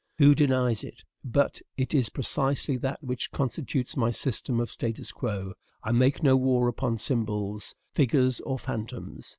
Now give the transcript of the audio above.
Who denies it? But it is precisely that which constitutes my system of statu quo. I make no war upon symbols, figures, or phantoms.